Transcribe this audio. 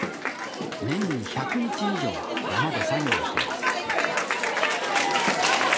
年に１００日以上山で作業しています